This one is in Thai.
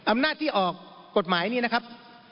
อำนาจที่ออกกฎหมายนี้นะครับ